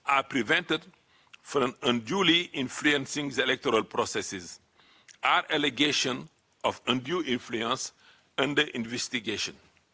apakah alasan penginfluensi yang tidak dihentikan di bawah penyelidikan